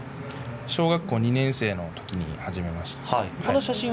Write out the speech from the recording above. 小学校２年のときから始めました。